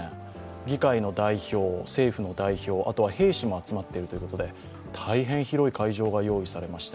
議会の代表、政府の代表、あとは兵士も集まっているということで大変広い会場が用意されました。